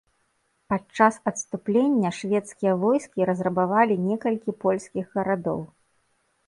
Падчас адступлення шведскія войскі разрабавалі некалькі польскіх гарадоў.